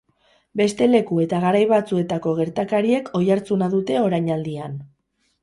Beste leku eta garai batzuetako gertakariek oihartzuna dute orainaldian.